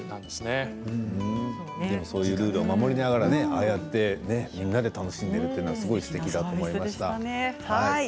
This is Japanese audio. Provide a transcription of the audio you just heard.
でもそういうルールを守りながら、ああやってみんなで楽しむのはすごいすてきだと思いました。